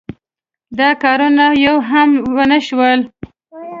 دا کارونه یو هم ونشول.